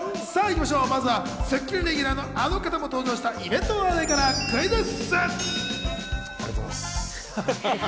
まずは『スッキリ』レギュラーのあの方も登場したイベントの話題からクイズッス！